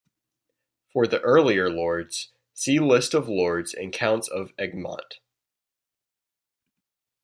For the earlier lords, see List of Lords and Counts of Egmont.